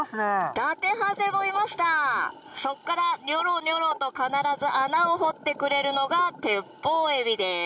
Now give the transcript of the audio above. ダテハゼもいましたそこからニョロニョロと必ず穴を掘ってくれるのがテッポウエビです。